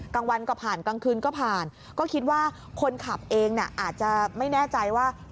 กลางวันก็ผ่านกลางคืนก็ผ่านก็คิดว่าคนขับเองอาจจะไม่แน่ใจว่า